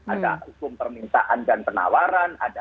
ada hukum permintaan dan penawaran